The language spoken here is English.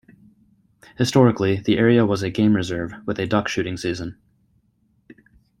Historically the area was a Game Reserve, with a duck shooting season.